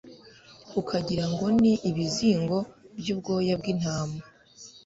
ukagira ngo ni ibizingo by'ubwoya bw'intama